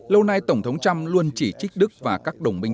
lâu nay tổng thống trump luôn chỉ trích đức và các đồng minh